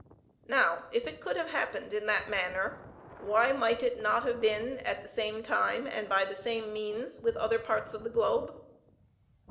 Now if it could have happened in that manner, why might it not have been at the same time, and by the same means, with the other parts of the globe?"